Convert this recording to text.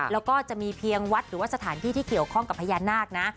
แล้วก็จะมีเพียงวัดหรือว่าสถานที่ที่เกี่ยวข้องกับพญานาคนะ